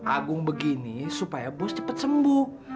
agung begini supaya bos cepet sembuh